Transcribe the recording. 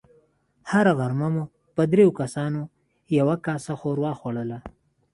هره غرمه مو په دريو کسانو يوه کاسه ښوروا خوړله.